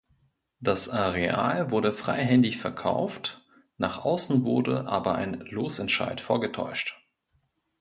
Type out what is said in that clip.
Das Areal wurde freihändig verkauft, nach außen wurde aber ein Losentscheid vorgetäuscht.